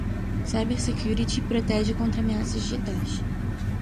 Cybersecurity protege contra ameaças digitais.